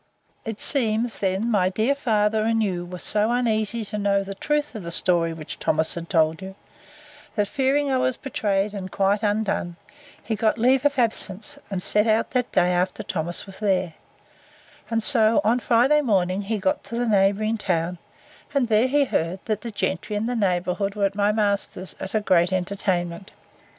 It seems, then, my dear father and you were so uneasy to know the truth of the story which Thomas had told you, that fearing I was betrayed, and quite undone, he got leave of absence, and set out the day after Thomas was there; and so, on Friday morning, he got to the neighbouring town; and there he heard, that the gentry in the neighbourhood were at my master's, at a great entertainment.